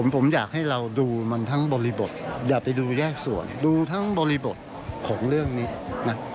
ผมอยากให้เราดูมันทั้งบริบทอย่าไปดูแยกส่วนดูทั้งบริบทของเรื่องนี้นะ